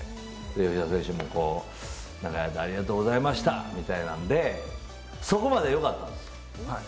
吉田選手も長い間ありがとうございましたみたいなんでそこまではよかったんですよ。